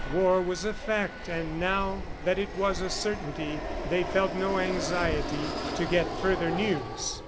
War was a fact, and now that it was a certainty, they felt no anxiety to get further news.